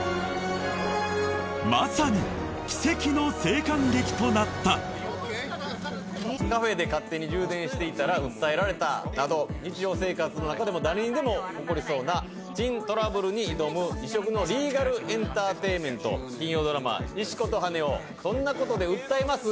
まさに奇跡の生還劇となったカフェで勝手に充電していたら訴えられたなど日常生活の中でも誰にでも起こりそうな珍トラブルに挑む異色のリーガル・エンターテインメント金曜ドラマ「石子と羽男」「−そんなコトで訴えます？−」